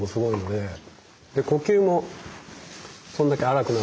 で呼吸もそんだけ荒くなるので。